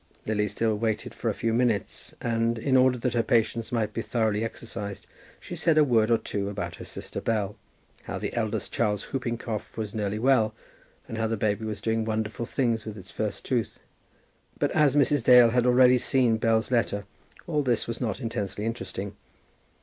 Lily still waited for a few minutes, and, in order that her patience might be thoroughly exercised, she said a word or two about her sister Bell; how the eldest child's whooping cough was nearly well, and how the baby was doing wonderful things with its first tooth. But as Mrs. Dale had already seen Bell's letter, all this was not intensely interesting.